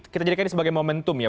kita jadikan ini sebagai momentum ya